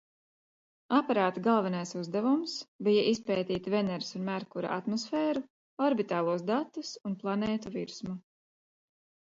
Aparāta galvenais uzdevums bija izpētīt Veneras un Merkura atmosfēru, orbitālos datus un planētu virsmu.